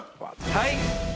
はい。